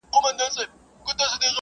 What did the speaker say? د داستاني ادبیاتو څېړنه اړینه ده.